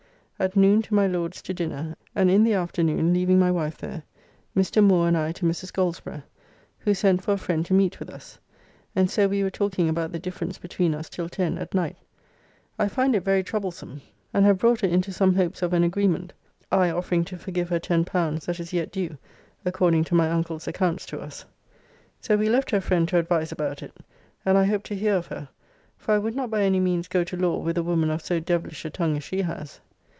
At noon to my Lord's to dinner, and in the afternoon, leaving my wife there, Mr. Moore and I to Mrs. Goldsborough, who sent for a friend to meet with us, and so we were talking about the difference between us till 10 at night. I find it very troublesome, and have brought it into some hopes of an agreement, I offering to forgive her L10 that is yet due according to my uncle's accounts to us. So we left her friend to advise about it, and I hope to hear of her, for I would not by any means go to law with a woman of so devilish a tongue as she has.